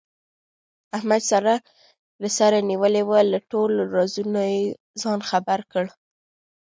احمد ساره له سره نیولې وه، له ټولو رازونو یې ځان خبر کړ.